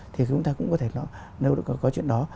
thì chúng ta cũng có thể nói nếu có chuyện đó